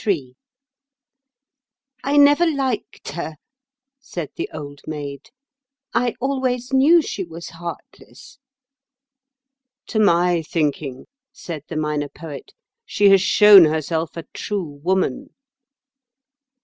III "I NEVER liked her," said the Old Maid; "I always knew she was heartless." "To my thinking," said the Minor Poet, "she has shown herself a true woman."